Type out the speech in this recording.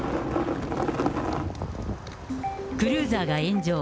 クルーザーが炎上。